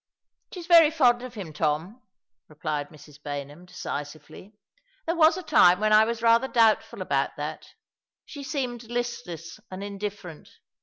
"She's very fond of him, Tom," replied Mrs. Baynham, decisively. " There was a time when I was rather doubtful about that. She seemed listless and indifferent.